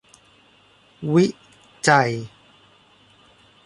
วิจัย